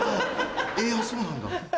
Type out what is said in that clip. あぁそうなんだ。